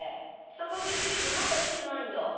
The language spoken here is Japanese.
高木刑事まだ来てないんだ。